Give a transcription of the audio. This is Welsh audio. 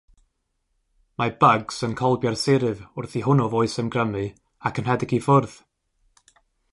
Mae Bugs yn colbio'r Siryf wrth i hwnnw foesymgrymu, ac yn rhedeg i ffwrdd.